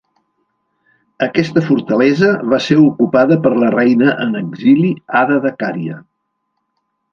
Aquesta fortalesa va ser ocupada per la reina en exili Ada de Cària.